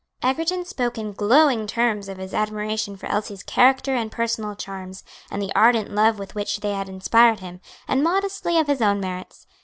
Egerton spoke in glowing terms of his admiration for Elsie's character and personal charms, and the ardent love with which they had inspired him, and modestly of his own merits.